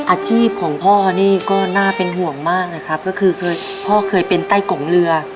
อาชีพของพ่อนี่ก็น่าเป็นห่วงมากนะครับก็คือพ่อเคยเป็นไต้กงเรือ